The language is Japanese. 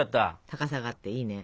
高さがあっていいね。